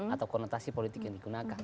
atau konotasi politik yang digunakan